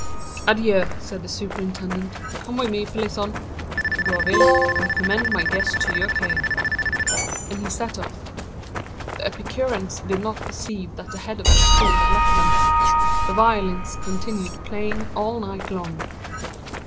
"Adieu!" said the superintendent; "come with me, Pelisson. Gourville, I commend my guests to your care." And he set off. The Epicureans did not perceive that the head of the school had left them; the violins continued playing all night long.